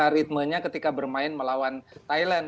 ritmenya ketika bermain melawan thailand